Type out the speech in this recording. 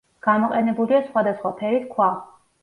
გამოყენებულია სხვადასხვა ფერის ქვა.